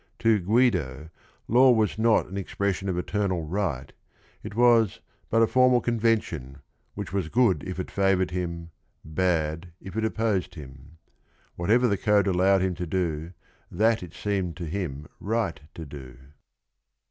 To Guid o law was not a n ex pression of eternal right; it was but a fo rmal convention which was good if it favor ed him, bad if ItTbpposed him. Whatever the code allowed him to do, that it seemed to him right to do.